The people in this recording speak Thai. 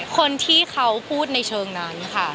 คนที่เขาพูดในเชิงนั้นค่ะ